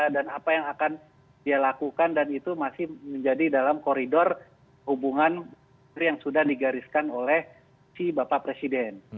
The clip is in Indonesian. dan apa yang akan dia lakukan dan itu masih menjadi dalam koridor hubungan yang sudah digariskan oleh si bapak presiden